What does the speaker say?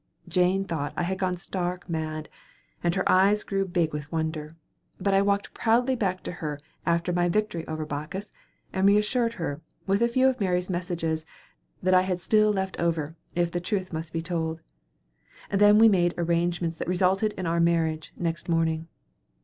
Jane thought I had gone stark mad, and her eyes grew big with wonder, but I walked proudly back to her after my victory over Bacchus, and reassured her with a few of Mary's messages that I had still left over, if the truth must be told. Then we made arrangements that resulted in our marriage next morning.